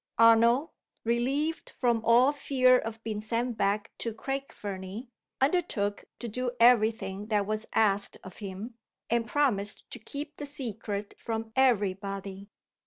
Arnold (relieved from all fear of being sent back to Craig Fernie) undertook to do every thing that was asked of him, and promised to keep the secret from every body.